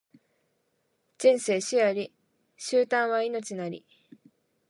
人生死あり、終端は命なり